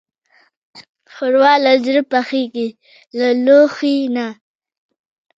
ښوروا له زړه پخېږي، له لوښي نه.